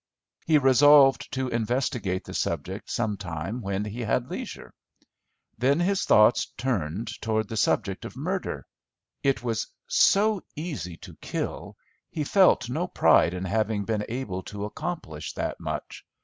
He resolved to investigate the subject some time when he had leisure. Then his thoughts turned towards the subject of murder. It was so easy to kill, he felt no pride in having been able to accomplish that much.